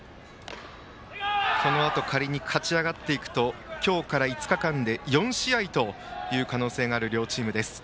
このあと仮に勝ち上がっていくと今日から５日間で４試合という可能性のある両チームです。